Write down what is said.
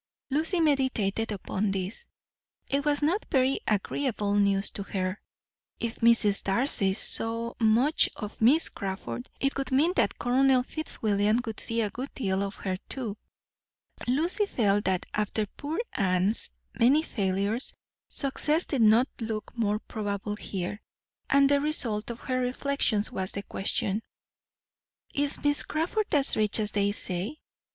Lucy meditated upon this: it was not very agreeable news to her; if Mrs. Darcy saw much of Miss Crawford, it would mean that Colonel Fitzwilliam would see a good deal of her, too. Lucy felt that after poor Anne's many failures, success did not look more probable here; and the result of her reflections was the question: "Is Miss Crawford as rich as they say?"